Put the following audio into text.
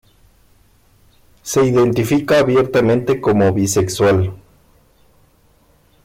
Se identifica abiertamente como bisexual.